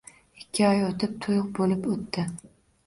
Ikki oy o`tib to`y bo`lib o`tdi